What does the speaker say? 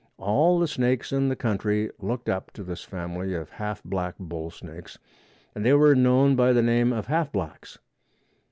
All the snakes in the country looked up to this family of half black bull snakes and they were known by the name of Half Blacks.